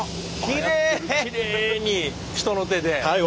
きれいに人の手で。